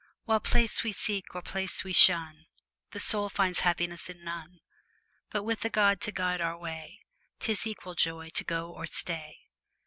While place we seek or place we shun, The soul finds happiness in none; But with a God to guide our way, 'Tis equal joy to go or stay.